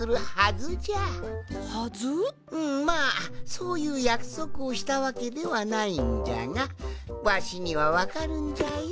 そういうやくそくをしたわけではないんじゃがわしにはわかるんじゃよ